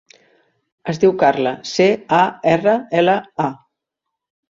Es diu Carla: ce, a, erra, ela, a.